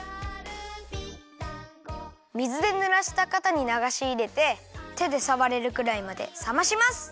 みずでぬらしたかたにながしいれててでさわれるくらいまでさまします！